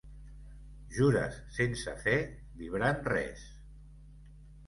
Jures sense fer vibrant res.